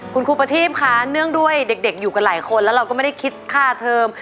คุณครูประทีพคะเนื่องด้วยเด็กอยู่กันหลายคนแล้วเราก็ไม่ได้คิดค่าเทอม